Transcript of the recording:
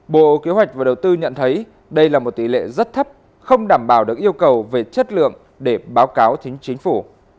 bộ kế hoạch và đầu tư nhận thấy đây là một tỷ lệ rất thấp không đảm bảo được yêu cầu về chất lượng để báo cáo chính chính phủ